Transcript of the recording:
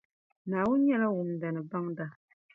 Naawuni nyɛla Wumda ni Baŋda